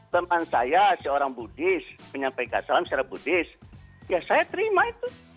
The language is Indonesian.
teman saya seorang buddhis menyampaikan salam secara buddhis ya saya terima itu